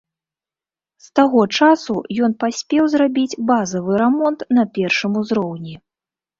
З таго часу ён паспеў зрабіць базавы рамонт на першым узроўні.